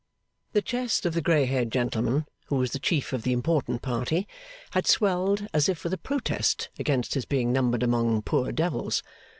The chest of the grey haired gentleman who was the Chief of the important party, had swelled as if with a protest against his being numbered among poor devils.